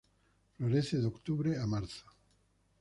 Florece de octubre a marzo.